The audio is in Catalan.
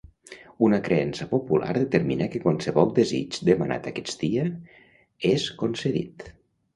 Una creença popular determina que qualsevol desig demanat aquest dia és concedit.